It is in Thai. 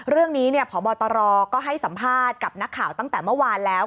พบตรก็ให้สัมภาษณ์กับนักข่าวตั้งแต่เมื่อวานแล้ว